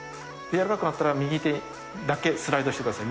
やわらかくなったら右手だけスライドしてください。